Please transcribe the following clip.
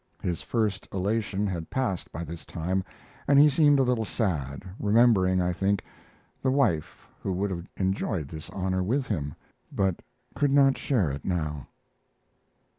His first elation had passed by this time, and he seemed a little sad, remembering, I think, the wife who would have enjoyed this honor with him but could not share it now.